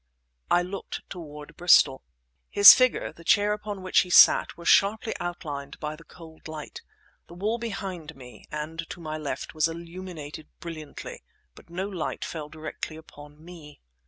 I looked toward Bristol. His figure, the chair upon which he sat, were sharply outlined by the cold light. The wall behind me, and to my left, was illuminated brilliantly; but no light fell directly upon me.